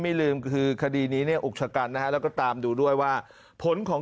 ไม่ลืมคือคดีนี้เนี่ยอุกชะกันนะฮะแล้วก็ตามดูด้วยว่าผลของ